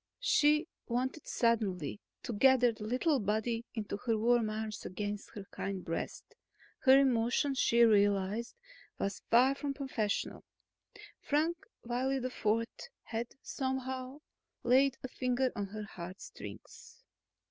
She wanted suddenly to gather the little body into her warm arms, against her kind breast. Her emotion, she realized, was far from professional; Frank Wiley IV had somehow laid a finger on her heartstrings.